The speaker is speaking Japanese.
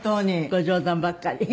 ご冗談ばっかり。